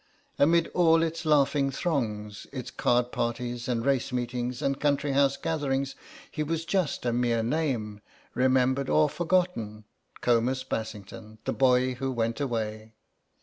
Amid all its laughing throngs, its card parties and race meetings and country house gatherings, he was just a mere name, remembered or forgotten, Comus Bassington, the boy who went away.